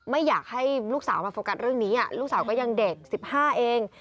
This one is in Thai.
ไม่อยากให้ลูกสาวมาโฟกัสเรื่องนี้ลูกสาวก็ยังเด็ก๑๕เอง